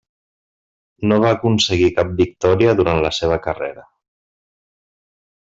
No va aconseguir cap victòria durant la seva carrera.